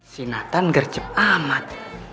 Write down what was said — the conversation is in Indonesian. si natan gercep amat